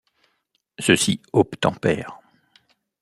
Ceux-ci obtempèrent.